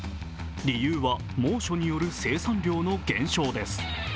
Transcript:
理由は、猛暑による生産量の減少です。